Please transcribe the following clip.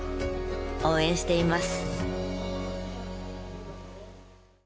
応援しています。